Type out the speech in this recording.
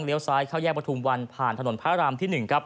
เลี้ยวซ้ายเข้าแยกประทุมวันผ่านถนนพระรามที่๑